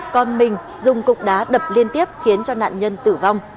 còn mình dùng cục đá đập liên tiếp khiến cho nạn nhân tử vong